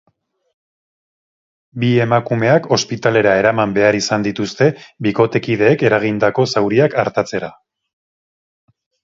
Bi emakumeak ospitalera eraman behar izan dituzte bikotekideek eragindako zauriak artatzera.